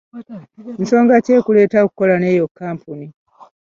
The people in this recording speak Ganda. Nsonga ki ekuleetera okukola n'eyo kkampuni?